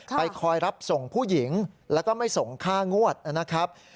คอยรับส่งผู้หญิงแล้วก็ไม่ส่งค่างวดนะครับ